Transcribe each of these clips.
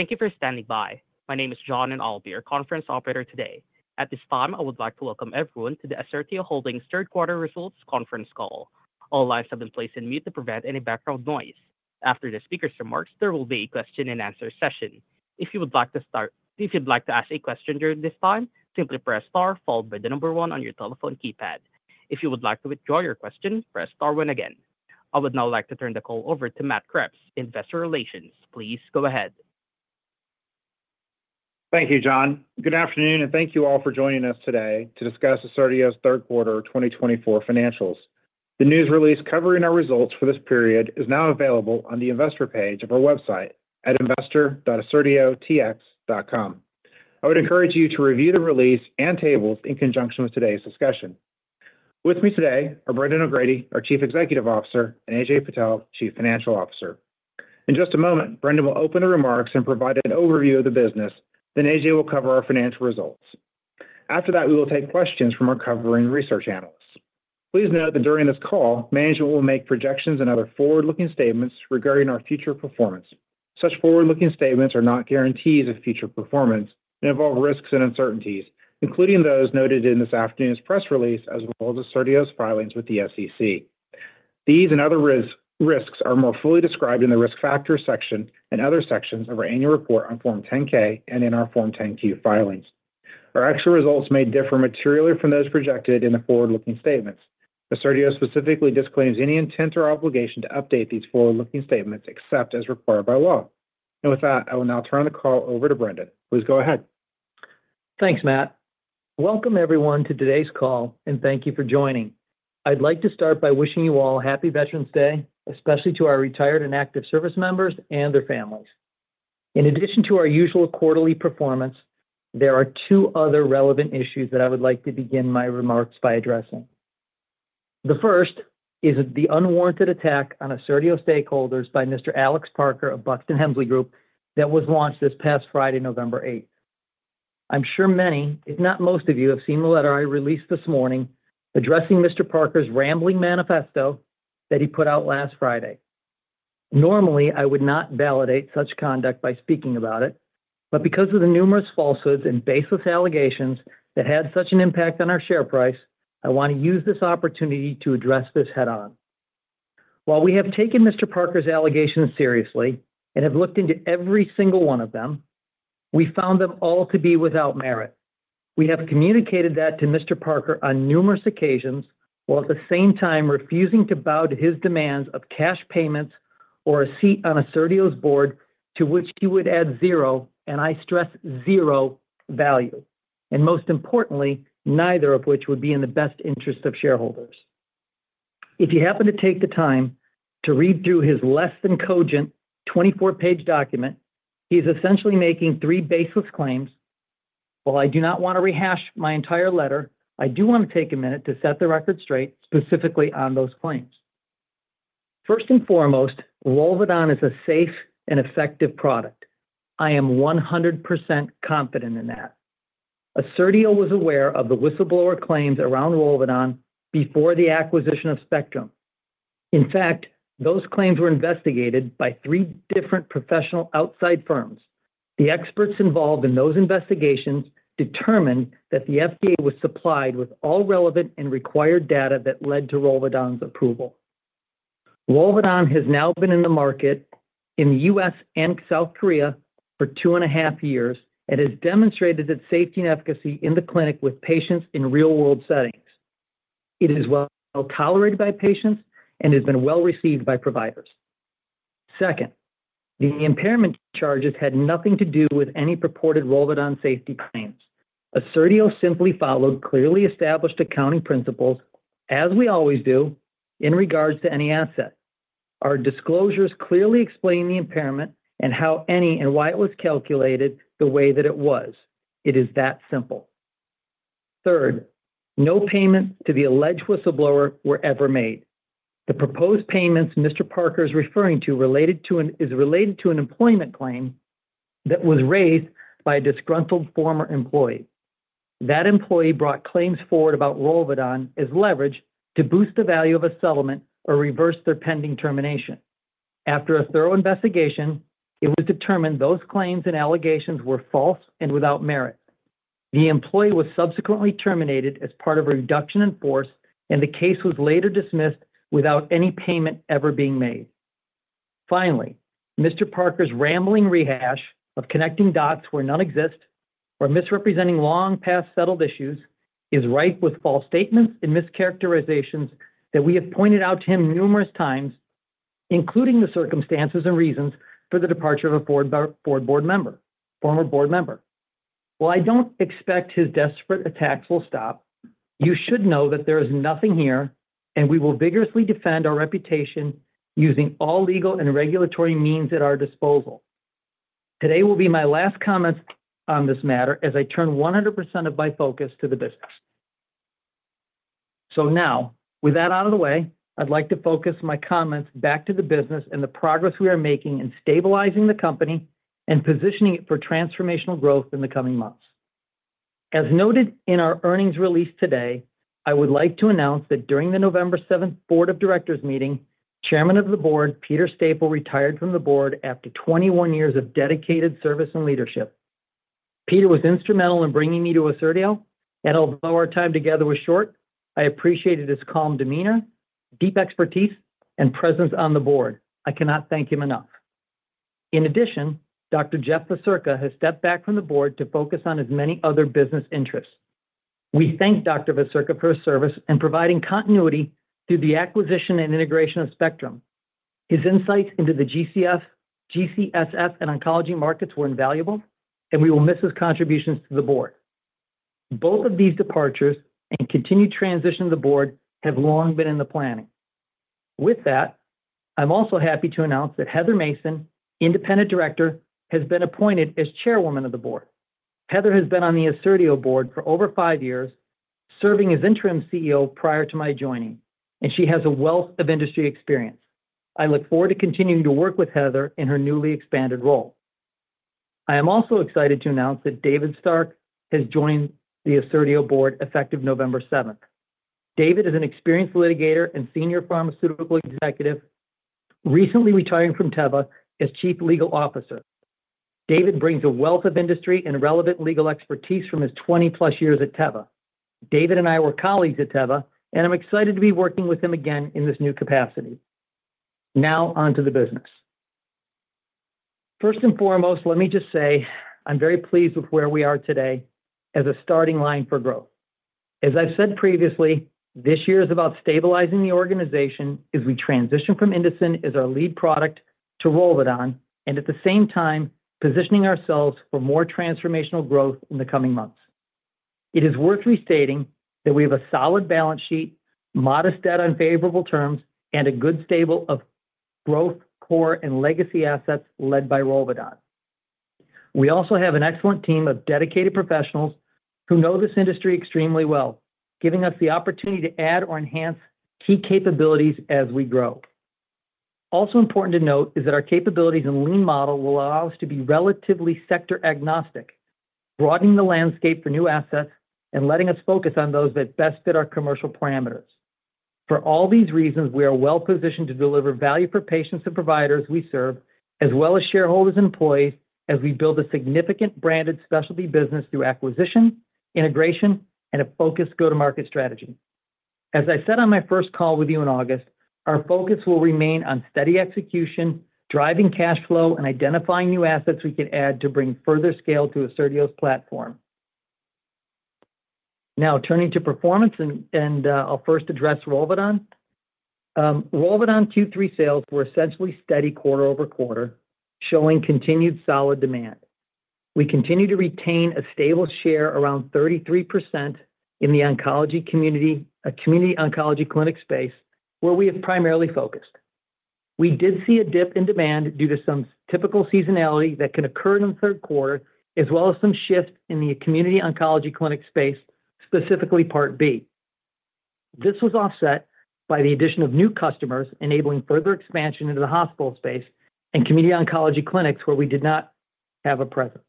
Thank you for standing by. My name is John Albear, Conference Operator today. At this time, I would like to welcome everyone to the Assertio Holdings' third-quarter results conference call. All lines have been placed on mute to prevent any background noise. After the speaker's remarks, there will be a question-and-answer session. If you'd like to ask a question during this time, simply press star followed by the number one on your telephone keypad. If you would like to withdraw your question, press star one again. I would now like to turn the call over to Matt Kreps, Investor Relations. Please go ahead. Thank you, John. Good afternoon, and thank you all for joining us today to discuss Assertio's third-quarter 2024 financials. The news release covering our results for this period is now available on the investor page of our website at investor.assertiotx.com. I would encourage you to review the release and tables in conjunction with today's discussion. With me today are Brendan O'Grady, our Chief Executive Officer, and Ajay Patel, Chief Financial Officer. In just a moment, Brendan will open the remarks and provide an overview of the business. Then Ajay will cover our financial results. After that, we will take questions from our covering research analysts. Please note that during this call, management will make projections and other forward-looking statements regarding our future performance. Such forward-looking statements are not guarantees of future performance and involve risks and uncertainties, including those noted in this afternoon's press release as well as Assertio's filings with the SEC. These and other risks are more fully described in the risk factors section and other sections of our annual report on Form 10-K and in our Form 10-Q filings. Our actual results may differ materially from those projected in the forward-looking statements. Assertio specifically disclaims any intent or obligation to update these forward-looking statements except as required by law. With that, I will now turn the call over to Brendan. Please go ahead. Thanks, Matt. Welcome, everyone, to today's call, and thank you for joining. I'd like to start by wishing you all a happy Veterans Day, especially to our retired and active service members and their families. In addition to our usual quarterly performance, there are two other relevant issues that I would like to begin my remarks by addressing. The first is the unwarranted attack on Assertio stakeholders by Mr. Alex Parker of Buxton Helmsley Group that was launched this past Friday, November 8th. I'm sure many, if not most of you, have seen the letter I released this morning addressing Mr. Parker's rambling manifesto that he put out last Friday. Normally, I would not validate such conduct by speaking about it, but because of the numerous falsehoods and baseless allegations that had such an impact on our share price, I want to use this opportunity to address this head-on. While we have taken Mr. Parker's allegations seriously and have looked into every single one of them, we found them all to be without merit. We have communicated that to Mr. Parker on numerous occasions while at the same time refusing to bow to his demands of cash payments or a seat on Assertio's board to which he would add zero, and I stress zero, value, and most importantly, neither of which would be in the best interest of shareholders. If you happen to take the time to read through his less than cogent 24-page document, he is essentially making three baseless claims. While I do not want to rehash my entire letter, I do want to take a minute to set the record straight specifically on those claims. First and foremost, Rolvedon is a safe and effective product. I am 100% confident in that. Assertio was aware of the whistleblower claims around Rolvedon before the acquisition of Spectrum. In fact, those claims were investigated by three different professional outside firms. The experts involved in those investigations determined that the FDA was supplied with all relevant and required data that led to Rolvedon's approval. Rolvedon has now been in the market in the U.S. and South Korea for two and a half years and has demonstrated its safety and efficacy in the clinic with patients in real-world settings. It is well tolerated by patients and has been well received by providers. Second, the impairment charges had nothing to do with any purported Rolvedon safety claims. Assertio simply followed clearly established accounting principles, as we always do, in regards to any asset. Our disclosures clearly explain the impairment and how and why it was calculated the way that it was. It is that simple. Third, no payments to the alleged whistleblower were ever made. The proposed payments Mr. Parker is referring to is related to an employment claim that was raised by a disgruntled former employee. That employee brought claims forward about Rolvedon as leverage to boost the value of a settlement or reverse their pending termination. After a thorough investigation, it was determined those claims and allegations were false and without merit. The employee was subsequently terminated as part of a reduction in force, and the case was later dismissed without any payment ever being made. Finally, Mr. Parker's rambling rehash of connecting dots where none exist or misrepresenting long-past settled issues is rife with false statements and mischaracterizations that we have pointed out to him numerous times, including the circumstances and reasons for the departure of a board member, former board member. While I don't expect his desperate attacks will stop, you should know that there is nothing here, and we will vigorously defend our reputation using all legal and regulatory means at our disposal. Today will be my last comments on this matter as I turn 100% of my focus to the business. So now, with that out of the way, I'd like to focus my comments back to the business and the progress we are making in stabilizing the company and positioning it for transformational growth in the coming months. As noted in our earnings release today, I would like to announce that during the November 7th Board of Directors meeting, Chairman of the Board, Peter Staple, retired from the board after 21 years of dedicated service and leadership. Peter was instrumental in bringing me to Assertio, and although our time together was short, I appreciated his calm demeanor, deep expertise, and presence on the board. I cannot thank him enough. In addition, Dr. Jeff Vacirca has stepped back from the board to focus on his many other business interests. We thank Dr. Vacirca for his service in providing continuity through the acquisition and integration of Spectrum. His insights into the G-CSF and oncology markets were invaluable, and we will miss his contributions to the board. Both of these departures and continued transition of the board have long been in the planning. With that, I'm also happy to announce that Heather Mason, Independent Director, has been appointed as Chairwoman of the Board. Heather has been on the Assertio board for over five years, serving as interim CEO prior to my joining, and she has a wealth of industry experience. I look forward to continuing to work with Heather in her newly expanded role. I am also excited to announce that David Stark has joined the Assertio board effective November 7th. David is an experienced litigator and senior pharmaceutical executive, recently retiring from Teva as Chief Legal Officer. David brings a wealth of industry and relevant legal expertise from his 20-plus years at Teva. David and I were colleagues at Teva, and I'm excited to be working with him again in this new capacity. Now, on to the business. First and foremost, let me just say I'm very pleased with where we are today as a starting line for growth. As I've said previously, this year is about stabilizing the organization as we transition from Indocin as our lead product to Rolvedon and at the same time positioning ourselves for more transformational growth in the coming months. It is worth restating that we have a solid balance sheet, modest debt on favorable terms, and a good stable of growth, core, and legacy assets led by Rolvedon. We also have an excellent team of dedicated professionals who know this industry extremely well, giving us the opportunity to add or enhance key capabilities as we grow. Also important to note is that our capabilities and lean model will allow us to be relatively sector-agnostic, broadening the landscape for new assets and letting us focus on those that best fit our commercial parameters. For all these reasons, we are well positioned to deliver value for patients and providers we serve, as well as shareholders and employees, as we build a significant branded specialty business through acquisition, integration, and a focused go-to-market strategy. As I said on my first call with you in August, our focus will remain on steady execution, driving cash flow, and identifying new assets we can add to bring further scale to Assertio's platform. Now, turning to performance, and I'll first address Rolvedon. Rolvedon Q3 sales were essentially steady quarter over quarter, showing continued solid demand. We continue to retain a stable share around 33% in the oncology community, a community oncology clinic space where we have primarily focused. We did see a dip in demand due to some typical seasonality that can occur in the third quarter, as well as some shift in the community oncology clinic space, specifically Part B. This was offset by the addition of new customers, enabling further expansion into the hospital space and community oncology clinics where we did not have a presence.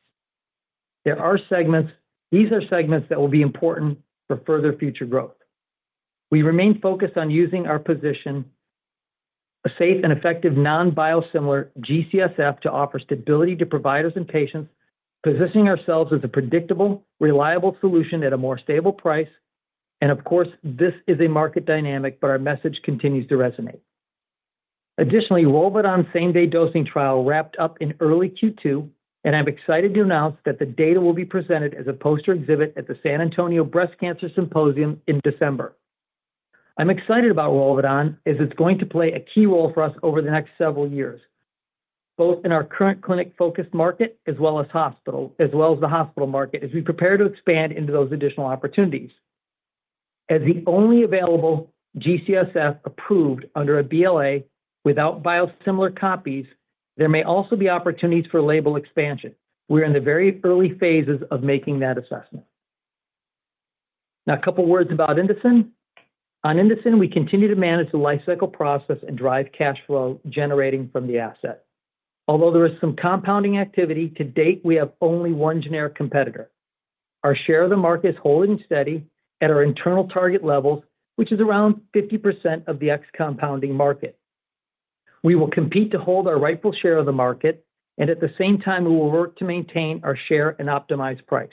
There are segments. These are segments that will be important for further future growth. We remain focused on using our position, a safe and effective non-biosimilar G-CSF, to offer stability to providers and patients, positioning ourselves as a predictable, reliable solution at a more stable price, and of course, this is a market dynamic, but our message continues to resonate. Additionally, Rolvedon's same-day dosing trial wrapped up in early Q2, and I'm excited to announce that the data will be presented as a poster exhibit at the San Antonio Breast Cancer Symposium in December. I'm excited about Rolvedon as it's going to play a key role for us over the next several years, both in our current clinic-focused market as well as the hospital market, as we prepare to expand into those additional opportunities. As the only available G-CSF approved under a BLA without biosimilar copies, there may also be opportunities for label expansion. We're in the very early phases of making that assessment. Now, a couple of words about Indocin. On Indocin, we continue to manage the life cycle process and drive cash flow generating from the asset. Although there is some compounding activity, to date, we have only one generic competitor. Our share of the market is holding steady at our internal target levels, which is around 50% of the ex-compounding market. We will compete to hold our rightful share of the market, and at the same time, we will work to maintain our share and optimize price.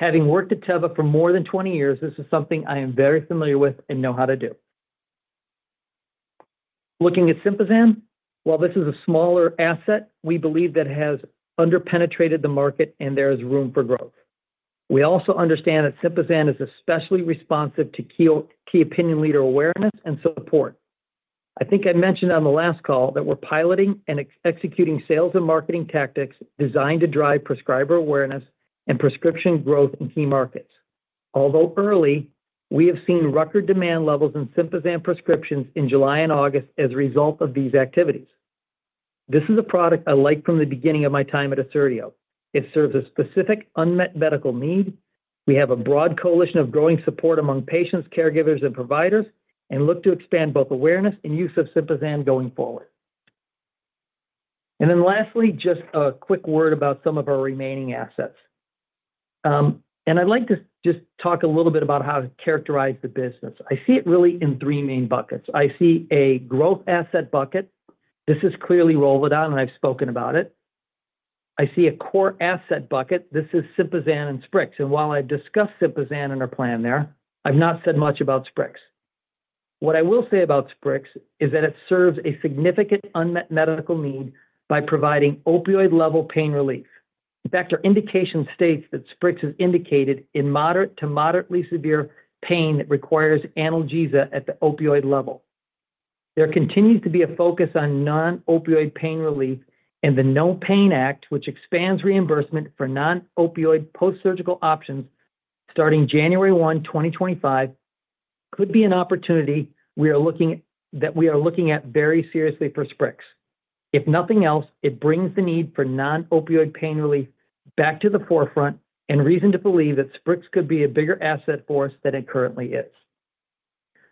Having worked at Teva for more than 20 years, this is something I am very familiar with and know how to do. Looking at Sympazan, while this is a smaller asset, we believe that it has underpenetrated the market and there is room for growth. We also understand that Sympazan is especially responsive to key opinion leader awareness and support. I think I mentioned on the last call that we're piloting and executing sales and marketing tactics designed to drive prescriber awareness and prescription growth in key markets. Although early, we have seen record demand levels in Sympazan prescriptions in July and August as a result of these activities. This is a product I liked from the beginning of my time at Assertio. It serves a specific unmet medical need. We have a broad coalition of growing support among patients, caregivers, and providers and look to expand both awareness and use of Sympazan going forward. Then lastly, just a quick word about some of our remaining assets. I’d like to just talk a little bit about how to characterize the business. I see it really in three main buckets. I see a growth asset bucket. This is clearly Rolvedon, and I’ve spoken about it. I see a core asset bucket. This is Sympazan and Sprix. And while I’ve discussed Sympazan and our plan there, I’ve not said much about Sprix. What I will say about Sprix is that it serves a significant unmet medical need by providing opioid-level pain relief. In fact, our indication states that Sprix is indicated in moderate to moderately severe pain that requires analgesia at the opioid level. There continues to be a focus on non-opioid pain relief, and the NOPAIN Act, which expands reimbursement for non-opioid post-surgical options starting January 1, 2025, could be an opportunity we are looking at very seriously for Sprix. If nothing else, it brings the need for non-opioid pain relief back to the forefront and reason to believe that Sprix could be a bigger asset for us than it currently is.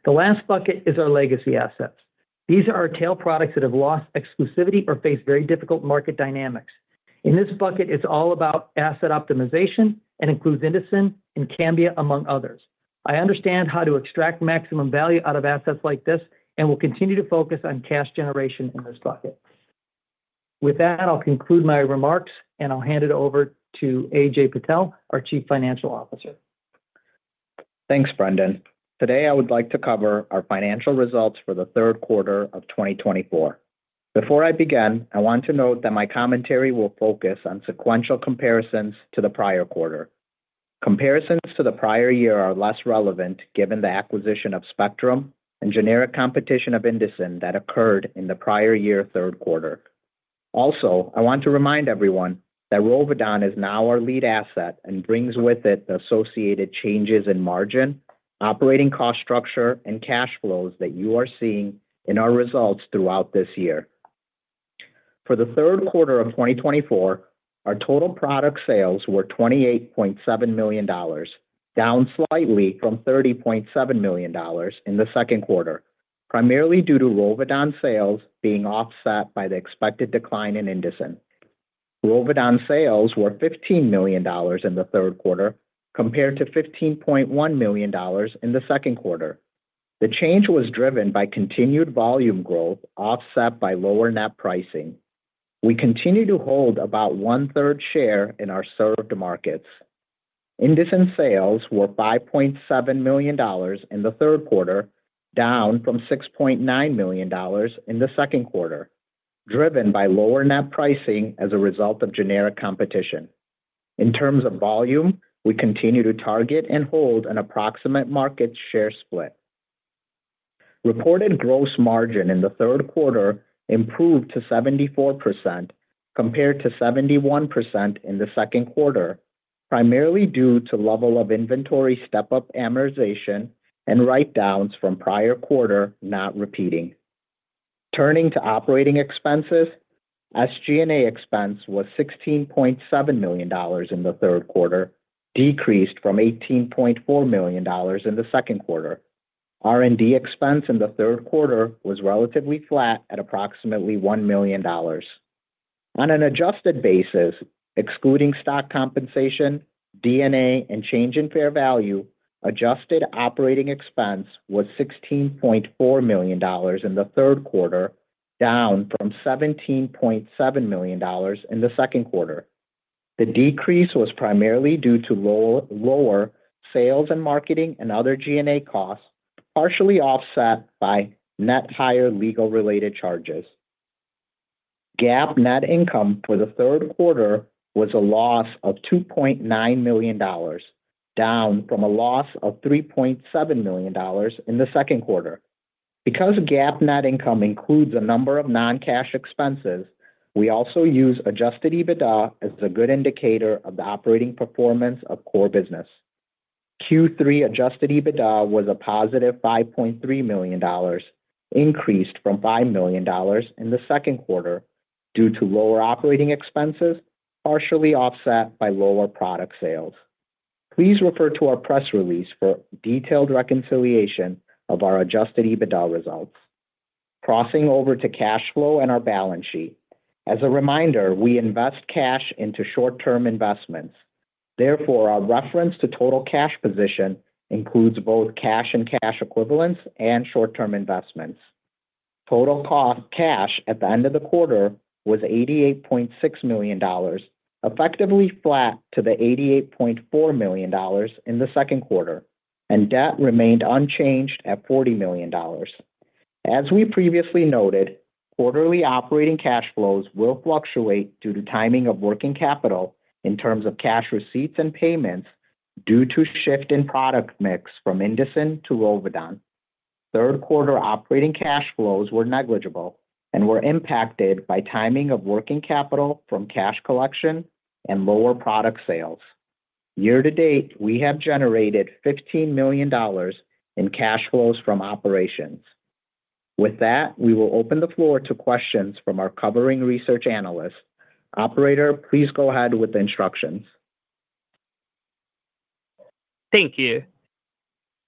The last bucket is our legacy assets. These are our tail products that have lost exclusivity or face very difficult market dynamics. In this bucket, it's all about asset optimization and includes Indocin and Cambia, among others. I understand how to extract maximum value out of assets like this and will continue to focus on cash generation in this bucket. With that, I'll conclude my remarks, and I'll hand it over to Ajay Patel, our Chief Financial Officer. Thanks, Brendan. Today, I would like to cover our financial results for the third quarter of 2024. Before I begin, I want to note that my commentary will focus on sequential comparisons to the prior quarter. Comparisons to the prior year are less relevant given the acquisition of Spectrum and generic competition of Indocin that occurred in the prior year third quarter. Also, I want to remind everyone that Rolvedon is now our lead asset and brings with it the associated changes in margin, operating cost structure, and cash flows that you are seeing in our results throughout this year. For the third quarter of 2024, our total product sales were $28.7 million, down slightly from $30.7 million in the second quarter, primarily due to Rolvedon sales being offset by the expected decline in Indocin. Rolvedon sales were $15 million in the third quarter compared to $15.1 million in the second quarter. The change was driven by continued volume growth offset by lower net pricing. We continue to hold about one-third share in our served markets. Indocin sales were $5.7 million in the third quarter, down from $6.9 million in the second quarter, driven by lower net pricing as a result of generic competition. In terms of volume, we continue to target and hold an approximate market share split. Reported gross margin in the third quarter improved to 74% compared to 71% in the second quarter, primarily due to level of inventory step-up amortization and write-downs from prior quarter not repeating. Turning to operating expenses, SG&A expense was $16.7 million in the third quarter, decreased from $18.4 million in the second quarter. R&D expense in the third quarter was relatively flat at approximately $1 million. On an adjusted basis, excluding stock compensation, D&A, and change in fair value, adjusted operating expense was $16.4 million in the third quarter, down from $17.7 million in the second quarter. The decrease was primarily due to lower sales and marketing and other G&A costs, partially offset by net higher legal-related charges. GAAP net income for the third quarter was a loss of $2.9 million, down from a loss of $3.7 million in the second quarter. Because GAAP net income includes a number of non-cash expenses, we also use adjusted EBITDA as a good indicator of the operating performance of core business. Q3 adjusted EBITDA was a positive $5.3 million, increased from $5 million in the second quarter due to lower operating expenses, partially offset by lower product sales. Please refer to our press release for detailed reconciliation of our adjusted EBITDA results. Crossing over to cash flow and our balance sheet. As a reminder, we invest cash into short-term investments. Therefore, our reference to total cash position includes both cash and cash equivalents and short-term investments. Total cash at the end of the quarter was $88.6 million, effectively flat to the $88.4 million in the second quarter, and debt remained unchanged at $40 million. As we previously noted, quarterly operating cash flows will fluctuate due to timing of working capital in terms of cash receipts and payments due to shift in product mix from Indocin to Rolvedon. Third quarter operating cash flows were negligible and were impacted by timing of working capital from cash collection and lower product sales. Year to date, we have generated $15 million in cash flows from operations. With that, we will open the floor to questions from our covering research analysts. Operator, please go ahead with the instructions. Thank you.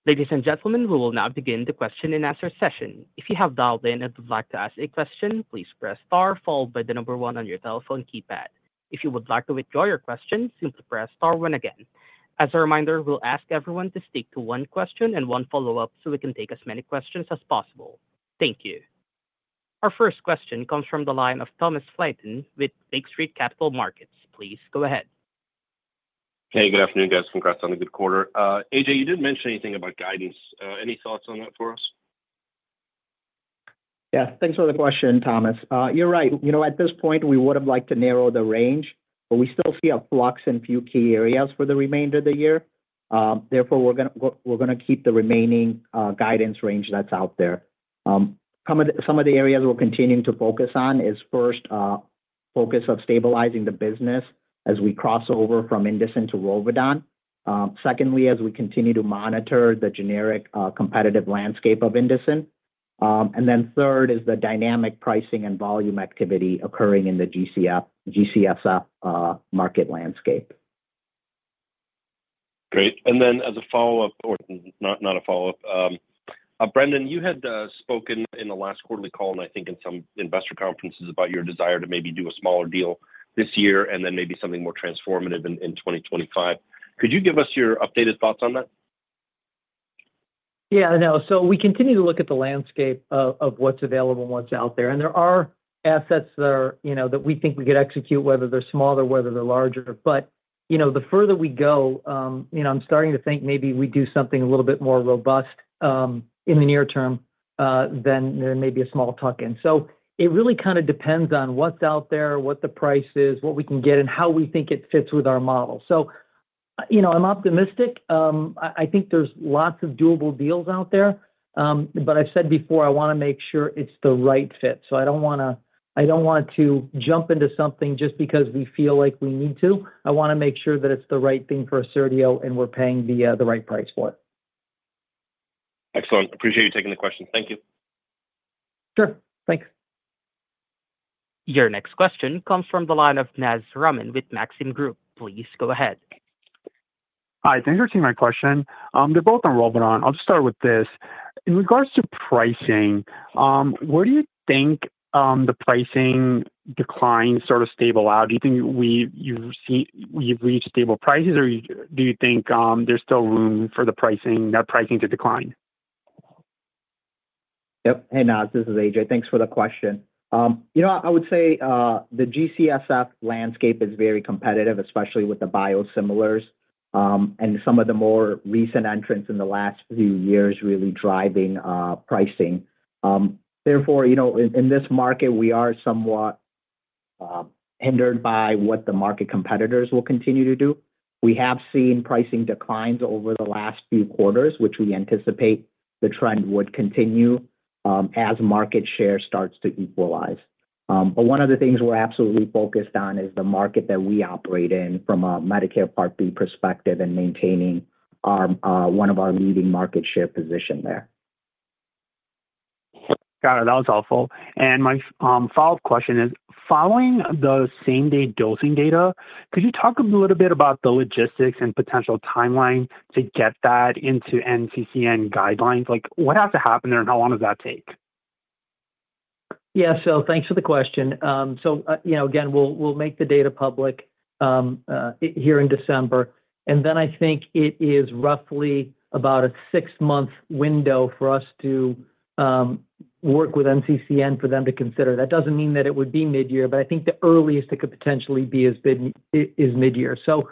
Ladies and gentlemen, we will now begin the question and answer session. If you have dialed in and would like to ask a question, please press star followed by the number one on your telephone keypad. If you would like to withdraw your question, simply press star one again. As a reminder, we'll ask everyone to stick to one question and one follow-up so we can take as many questions as possible. Thank you. Our first question comes from the line of Thomas Flaten with Lake Street Capital Markets. Please go ahead. Hey, good afternoon, guys. Congrats on the good quarter. Ajay, you didn't mention anything about guidance. Any thoughts on that for us? Yeah, thanks for the question, Thomas. You're right. You know, at this point, we would have liked to narrow the range, but we still see a flux in a few key areas for the remainder of the year. Therefore, we're going to keep the remaining guidance range that's out there. Some of the areas we're continuing to focus on is first, focus on stabilizing the business as we cross over from Indocin to Rolvedon. Secondly, as we continue to monitor the generic competitive landscape of Indocin. And then third is the dynamic pricing and volume activity occurring in the G-CSF market landscape. Great. And then as a follow-up, or not a follow-up, Brendan, you had spoken in the last quarterly call and I think in some investor conferences about your desire to maybe do a smaller deal this year and then maybe something more transformative in 2025. Could you give us your updated thoughts on that? Yeah, no. So we continue to look at the landscape of what's available and what's out there. And there are assets that we think we could execute, whether they're small or whether they're larger. But the further we go, I'm starting to think maybe we do something a little bit more robust in the near term than maybe a small tuck-in. So it really kind of depends on what's out there, what the price is, what we can get, and how we think it fits with our model. So I'm optimistic. I think there's lots of doable deals out there. But I've said before, I want to make sure it's the right fit. So I don't want to jump into something just because we feel like we need to. I want to make sure that it's the right thing for Assertio and we're paying the right price for it. Excellent. Appreciate you taking the question. Thank you. Sure. Thanks. Your next question comes from the line of Naz Rahman with Maxim Group. Please go ahead. Hi. Thanks for taking my question. They're both on Rolvedon. I'll just start with this. In regards to pricing, where do you think the pricing declines sort of stabilize out? Do you think you've reached stable prices, or do you think there's still room for the pricing to decline? Yep. Hey, Naz. This is Ajay. Thanks for the question. You know, I would say the G-CSF landscape is very competitive, especially with the biosimilars and some of the more recent entrants in the last few years really driving pricing. Therefore, in this market, we are somewhat hindered by what the market competitors will continue to do. We have seen pricing declines over the last few quarters, which we anticipate the trend would continue as market share starts to equalize. But one of the things we're absolutely focused on is the market that we operate in from a Medicare Part B perspective and maintaining one of our leading market share positions there. Got it. That was helpful. And my follow-up question is, following the same-day dosing data, could you talk a little bit about the logistics and potential timeline to get that into NCCN guidelines? What has to happen there, and how long does that take? Yeah, so thanks for the question. So again, we'll make the data public here in December. And then I think it is roughly about a six-month window for us to work with NCCN for them to consider. That doesn't mean that it would be mid-year, but I think the earliest it could potentially be is mid-year. So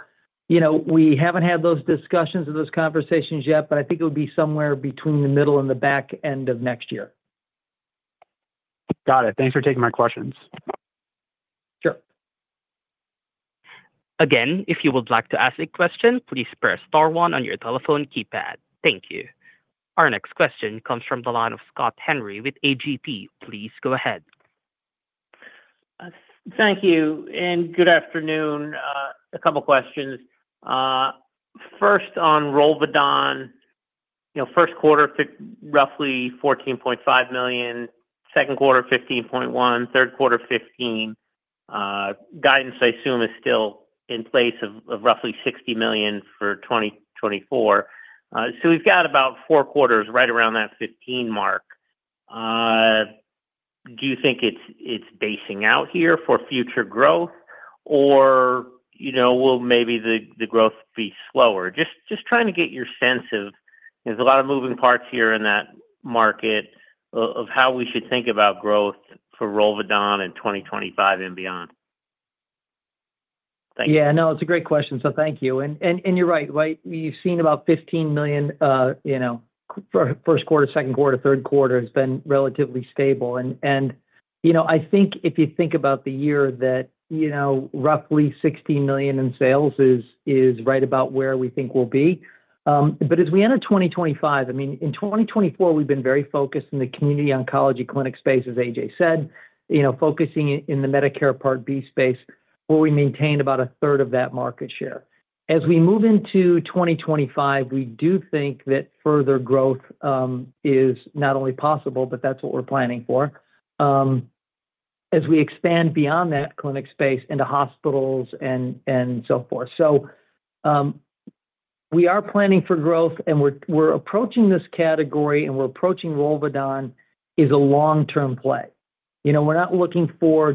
we haven't had those discussions and those conversations yet, but I think it would be somewhere between the middle and the back end of next year. Got it. Thanks for taking my questions. Sure. Again, if you would like to ask a question, please press star one on your telephone keypad. Thank you. Our next question comes from the line of Scott Henry with AGP. Please go ahead. Thank you. And good afternoon. A couple of questions. First, on Rolvedon, first quarter, roughly $14.5 million. Second quarter, $15.1 million. Third quarter, $15 million. Guidance, I assume, is still in place of roughly $60 million for 2024. So we've got about four quarters right around that $15 mark. Do you think it's basing out here for future growth, or will maybe the growth be slower? Just trying to get your sense of there's a lot of moving parts here in that market of how we should think about growth for Rolvedon in 2025 and beyond. Thank you. Yeah, no, it's a great question. So thank you. And you're right. We've seen about $15 million first quarter, second quarter, third quarter has been relatively stable. And I think if you think about the year that roughly $16 million in sales is right about where we think we'll be. But as we enter 2025, I mean, in 2024, we've been very focused in the community oncology clinic space, as Ajay said, focusing in the Medicare Part B space, where we maintain about a third of that market share. As we move into 2025, we do think that further growth is not only possible, but that's what we're planning for, as we expand beyond that clinic space into hospitals and so forth. So we are planning for growth, and we're approaching this category, and we're approaching Rolvedon as a long-term play. We're not looking for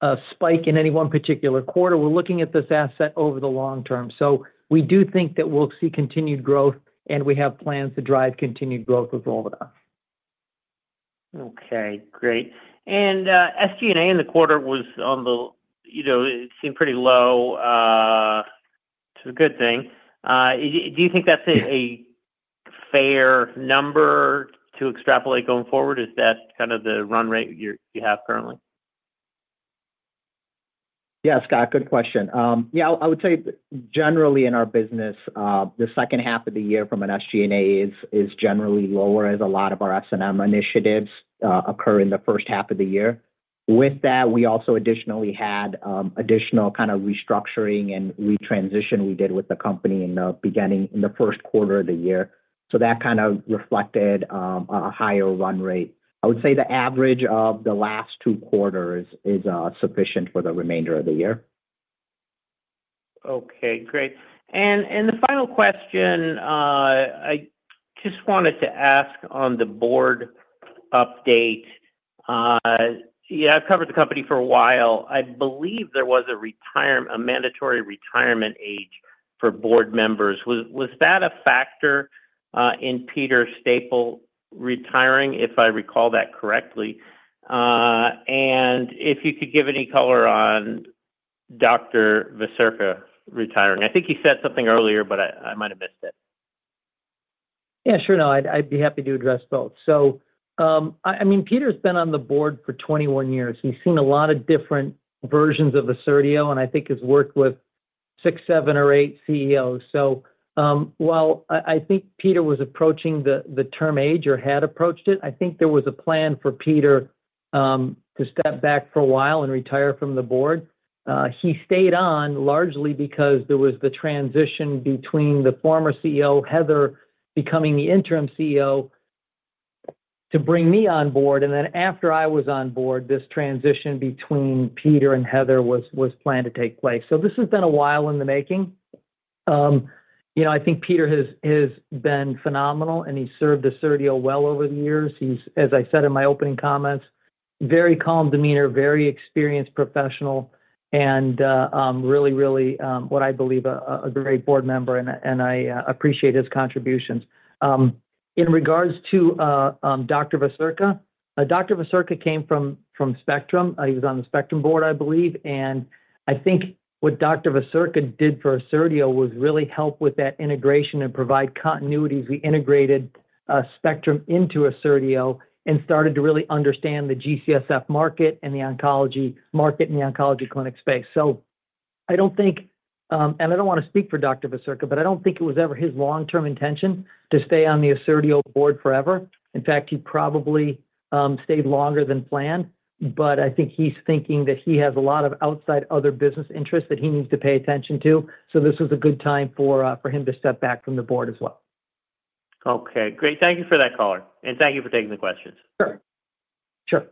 a dramatic spike in any one particular quarter. We're looking at this asset over the long term. So we do think that we'll see continued growth, and we have plans to drive continued growth with Rolvedon. Okay. Great. And SG&A in the quarter was on the low. It seemed pretty low, which is a good thing. Do you think that's a fair number to extrapolate going forward? Is that kind of the run rate you have currently? Yeah, Scott, good question. Yeah, I would say generally in our business, the second half of the year from an SG&A is generally lower as a lot of our S&M initiatives occur in the first half of the year. With that, we also additionally had additional kind of restructuring and retransition we did with the company in the beginning in the first quarter of the year. So that kind of reflected a higher run rate. I would say the average of the last two quarters is sufficient for the remainder of the year. Okay. Great, and the final question, I just wanted to ask on the board update. Yeah, I've covered the company for a while. I believe there was a mandatory retirement age for board members. Was that a factor in Peter Staple retiring, if I recall that correctly, and if you could give any color on Dr. Vacirca retiring. I think he said something earlier, but I might have missed it. Yeah, sure. No, I'd be happy to address both. So I mean, Peter's been on the board for 21 years. He's seen a lot of different versions of Assertio, and I think has worked with six, seven, or eight CEOs. So while I think Peter was approaching the term age or had approached it, I think there was a plan for Peter to step back for a while and retire from the board. He stayed on largely because there was the transition between the former CEO, Heather, becoming the interim CEO to bring me on board. And then after I was on board, this transition between Peter and Heather was planned to take place. So this has been a while in the making. I think Peter has been phenomenal, and he's served Assertio well over the years. He's, as I said in my opening comments, very calm demeanor, very experienced professional, and really, really what I believe a great board member, and I appreciate his contributions. In regards to Dr. Vacirca, Dr. Vacirca came from Spectrum. He was on the Spectrum board, I believe. And I think what Dr. Vacirca did for Assertio was really help with that integration and provide continuity. We integrated Spectrum into Assertio and started to really understand the GCSF market and the oncology market and the oncology clinic space. So I don't think, and I don't want to speak for Dr. Vacirca, but I don't think it was ever his long-term intention to stay on the Assertio board forever. In fact, he probably stayed longer than planned, but I think he's thinking that he has a lot of outside other business interests that he needs to pay attention to. So this was a good time for him to step back from the board as well. Okay. Great. Thank you for that caller. And thank you for taking the questions. Sure. Sure.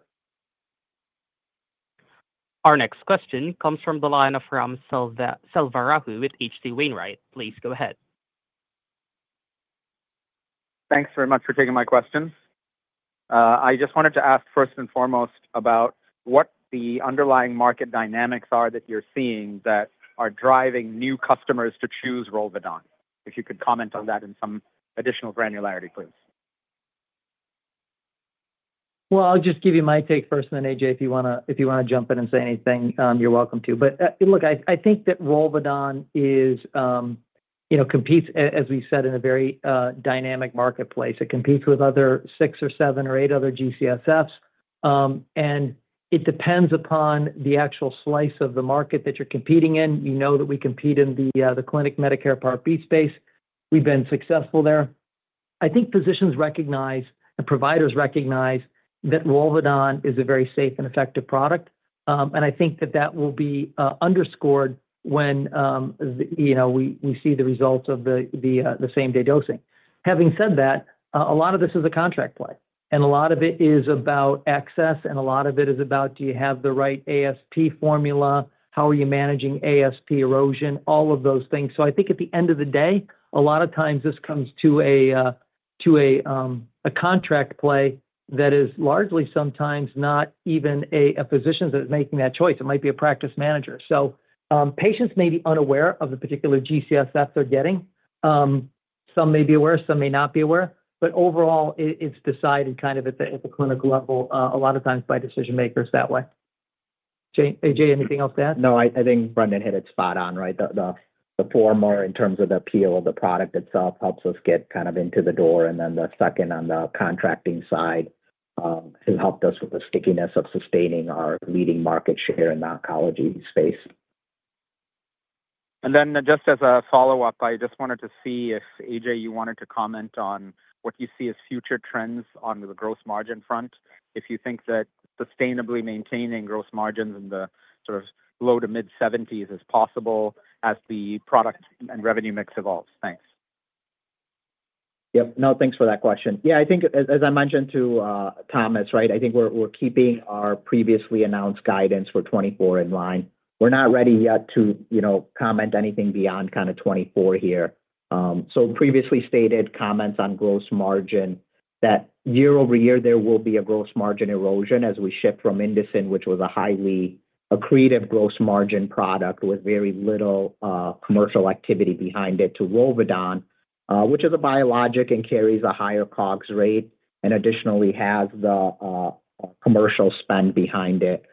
Our next question comes from the line of Ram Selvaraju with H.C. Wainwright. Please go ahead. Thanks very much for taking my questions. I just wanted to ask first and foremost about what the underlying market dynamics are that you're seeing that are driving new customers to choose Rolvedon. If you could comment on that in some additional granularity, please. Well, I'll just give you my take first, and then Ajay, if you want to jump in and say anything, you're welcome to. But look, I think that Rolvedon competes, as we said, in a very dynamic marketplace. It competes with other six or seven or eight other G-CSFs. And it depends upon the actual slice of the market that you're competing in. You know that we compete in the clinic Medicare Part B space. We've been successful there. I think physicians recognize and providers recognize that Rolvedon is a very safe and effective product. And I think that that will be underscored when we see the results of the same-day dosing. Having said that, a lot of this is a contract play. And a lot of it is about access, and a lot of it is about, do you have the right ASP formula? How are you managing ASP erosion? All of those things. So I think at the end of the day, a lot of times this comes to a contract play that is largely sometimes not even a physician that's making that choice. It might be a practice manager. So patients may be unaware of the particular G-CSF they're getting. Some may be aware, some may not be aware. But overall, it's decided kind of at the clinical level, a lot of times by decision makers that way. Ajay, anything else to add? No, I think Brendan hit it spot on, right? The former in terms of the appeal of the product itself helps us get kind of into the door. And then the second on the contracting side has helped us with the stickiness of sustaining our leading market share in the oncology space. And then just as afollow-up, I just wanted to see if Ajay, you wanted to comment on what you see as future trends on the gross margin front, if you think that sustainably maintaining gross margins in the sort of low-to-mid-70s is possible as the product and revenue mix evolves. Thanks. Yep. No, thanks for that question. Yeah, I think, as I mentioned to Thomas, right, I think we're keeping our previously announced guidance for 2024 in line. We're not ready yet to comment anything beyond kind of 2024 here. So previously stated comments on gross margin, that year over year, there will be a gross margin erosion as we shift from Indocin, which was a highly accretive gross margin product with very little commercial activity behind it, to Rolvedon, which is a biologic and carries a higher COGS rate and additionally has the commercial spend behind it.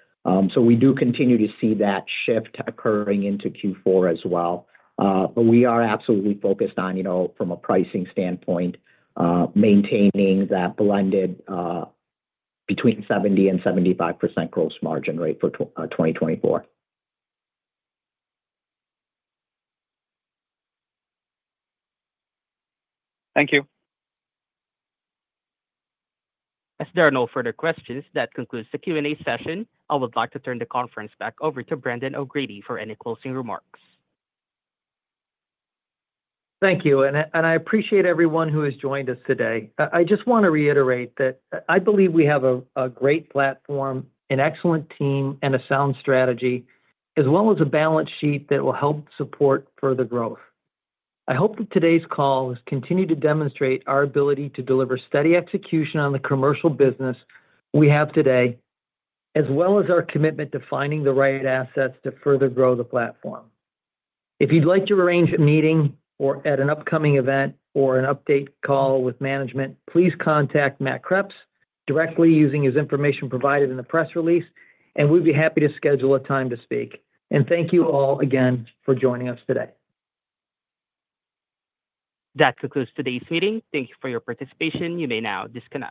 So we do continue to see that shift occurring into Q4 as well. But we are absolutely focused on, from a pricing standpoint, maintaining that blended between 70% and 75% gross margin rate for 2024. Thank you. As there are no further questions, that concludes the Q&A session. I would like to turn the conference back over to Brendan O'Grady for any closing remarks. Thank you. And I appreciate everyone who has joined us today. I just want to reiterate that I believe we have a great platform, an excellent team, and a sound strategy, as well as a balance sheet that will help support further growth. I hope that today's call has continued to demonstrate our ability to deliver steady execution on the commercial business we have today, as well as our commitment to finding the right assets to further grow the platform. If you'd like to arrange a meeting or at an upcoming event or an update call with management, please contact Matt Kreps directly using his information provided in the press release, and we'd be happy to schedule a time to speak. And thank you all again for joining us today. That concludes today's meeting. Thank you for your participation. You may now disconnect.